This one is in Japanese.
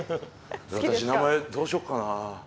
「私名前どうしよっかな。